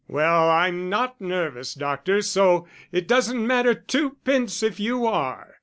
"Well, I'm not nervous, doctor, so it doesn't matter twopence if you are."